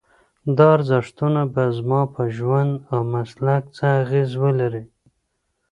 دا ارزښتونه به زما په ژوند او مسلک څه اغېز ولري؟